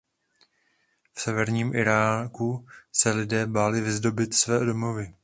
V severním Iráku se lidé báli vyzdobit své domovy.